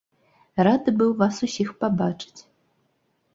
Рады быў вас усіх пабачыць.